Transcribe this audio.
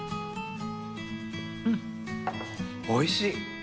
おいしい！